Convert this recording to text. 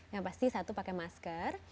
yang pasti satu pakai masker